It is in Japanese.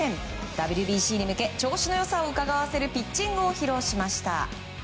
ＷＢＣに向け調子のよさをうかがわせるピッチングを披露しました。